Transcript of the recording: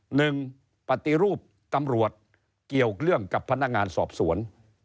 หนึ่งปฏิรูปตำรวจเกี่ยวเรื่องกับพนักงานสอบสวน